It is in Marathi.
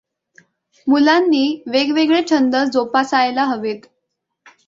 मुलांनी वेगवेगळे छंद जोपासायला हवेत.